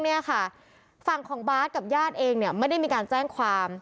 เพราะว่าฝั่งของบาสกับญาติเองไม่ได้มีการแจ้งความ